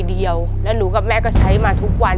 เดียวแล้วหนูกับแม่ก็ใช้มาทุกวัน